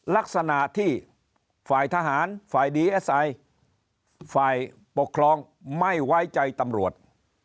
ลักษณะที่ฝ่ายทหารฝ่ายดีเอสไอฝ่ายปกครองไม่ไว้ใจตำรวจ